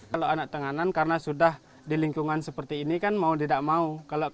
kalau anak tenganan karena sudah di lingkungan seperti ini kan mau tidak mau